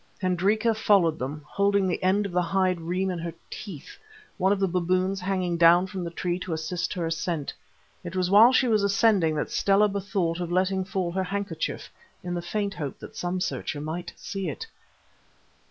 Hendrika followed them, holding the end of the hide reim in her teeth, one of the baboons hanging down from the tree to assist her ascent. It was while she was ascending that Stella bethought of letting fall her handkerchief in the faint hope that some searcher might see it.